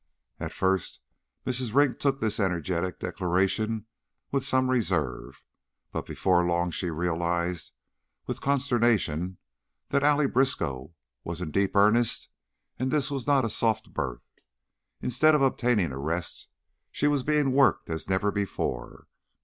At first Mrs. Ring took this energetic declaration with some reserve, but before long she realized with consternation that Allie Briskow was in deep earnest and that this was not a soft berth. Instead of obtaining a rest she was being worked as never before.